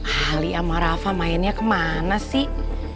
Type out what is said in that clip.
ahli sama rafa mainnya kemana sih